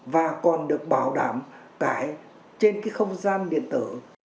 và còn được bảo đảm tải trên cái không gian điện tử